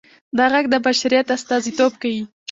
دا غږ د بشریت استازیتوب کوي.